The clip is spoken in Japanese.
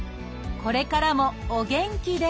これからもお元気で！